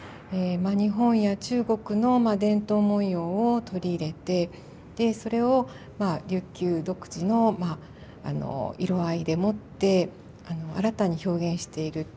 日本や中国の伝統文様を取り入れてでそれを琉球独自の色合いでもって新たに表現している。